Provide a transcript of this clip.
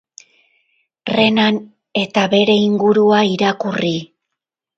Renan eta bere ingurua irakurri.